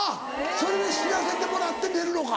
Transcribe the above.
それで知らせてもらって寝るのか。